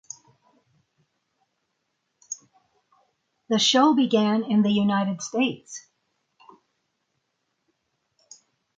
The show began in the United States.